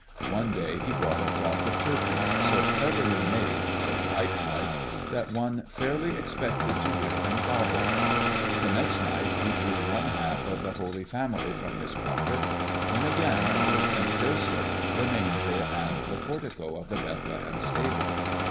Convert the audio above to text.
One day he brought a flock of turkeys, so cleverly made, so lifelike, that one fairly expected to hear them gobble. The next night he drew one half of the Holy Family from his pockets, then again a little Saint Joseph, the manger and the portico of the Bethlehem stable.